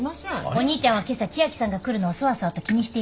お兄ちゃんはけさ千明さんが来るのをそわそわと気にしているようでした。